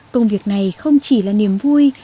công việc này không chỉ là niềm vui